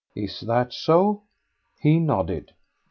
Is that so?" He nodded.